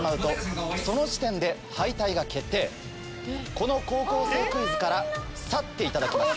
この『高校生クイズ』から去っていただきます。